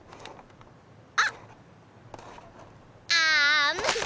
あっ！